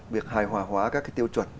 việc hài hòa hóa các cái tiêu chuẩn